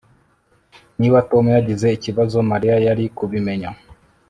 Niba Tom yagize ibibazo Mariya yari kubimenya